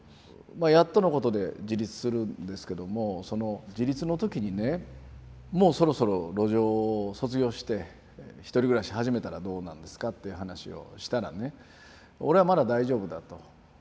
やっとのことで自立するんですけどもその自立の時にねもうそろそろ路上を卒業して一人暮らし始めたらどうなんですか？っていう話をしたらね俺はまだ大丈夫だと。